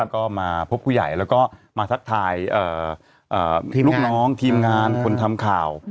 ก็มาพบผู้ใหญ่แล้วก็มาทักทายลูกน้องทีมงานคนทำข่าว